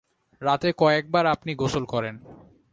রাতে কয়েকবার আপনি গোসল করেন।